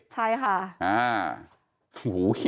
ใช่ค่ะ